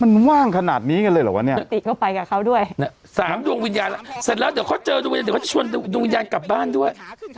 มันว่างขนาดนี้กันเลยหรอวะเนี่ยติดเข้าไปกับเขาด้วย๓ดวงวิญญาณเสร็จแล้วเดี๋ยวเขาเจอดวงวิญญาณกลับบ้านด้วย